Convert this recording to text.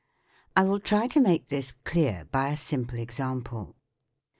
I will try to make this clear by a simple example.